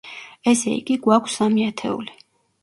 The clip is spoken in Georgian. ესე იგი, გვაქვს სამი ათეული.